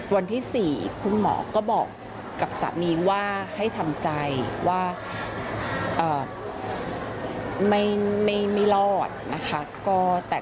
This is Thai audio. วันที่๔คุณหมอก็บอกกับสามีว่าให้ทำใจว่าไม่รอดนะคะ